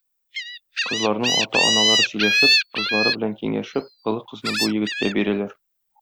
Кызларның ата-аналары сөйләшеп, кызлары белән киңәшеп, олы кызны бу егеткә бирәләр.